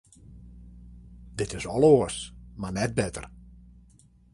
Dat is al oars, mar net better.